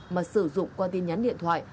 mà sử dụng qua tin nhắn điện thoại